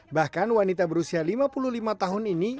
bahkan wanita berusia lima puluh lima tahun ini